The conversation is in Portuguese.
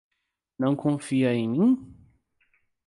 Não confia em mim?